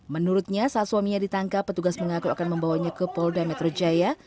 menurutnya saat suaminya ditangkap petugas mengaku akan membawanya ke polda metro jaya